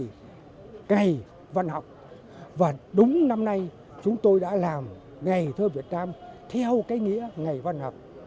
nay là ngày văn học và đúng năm nay chúng tôi đã làm ngày thơ việt nam theo cái nghĩa ngày văn học